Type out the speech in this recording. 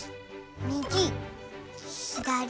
みぎひだり。